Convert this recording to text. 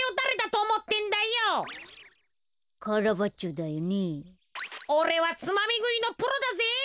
おれはつまみぐいのプロだぜ。